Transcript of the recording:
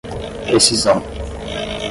rescisão